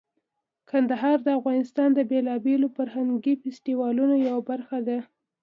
کندهار د افغانستان د بیلابیلو فرهنګي فستیوالونو یوه برخه ده.